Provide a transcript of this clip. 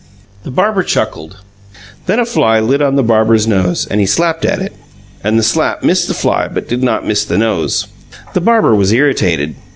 The barber chuckled. Then a fly lit on the barber's nose and he slapped at it, and the slap missed the fly but did not miss the nose. The barber was irritated.